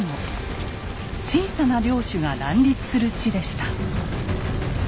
小さな領主が乱立する地でした。